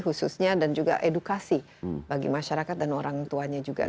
khususnya dan juga edukasi bagi masyarakat dan orang tuanya juga